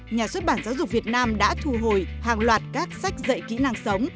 nhà xuất bản giáo dục việt nam đã thu hồi hàng loạt các sách dạy kỹ năng sống